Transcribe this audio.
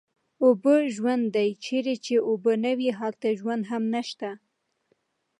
اوبه ژوند دی، چېرې چې اوبه نه وي هلته ژوند هم نشته